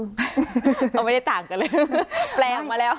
เล่นมาแล้ว